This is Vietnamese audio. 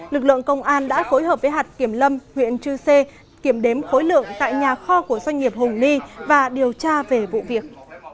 lực lượng công an đã phối hợp với hạt kiểm lâm huyện chư sê kiểm đếm khối lượng tại nhà kho của doanh nghiệp hùng ni và điều tra về vụ việc